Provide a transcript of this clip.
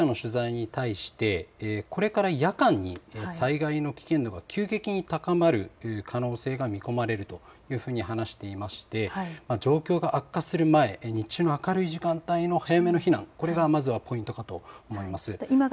記者の取材に対してこれから夜間に災害の危険度が急激に高まる可能性が見込まれるというふうに話していまして状況が悪化する前日中の明るい時間帯の早めの避難、これがまずはポイントかと思います。